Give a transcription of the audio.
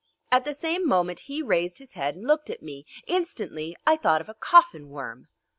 At the same moment he raised his head and looked at me. Instantly I thought of a coffin worm.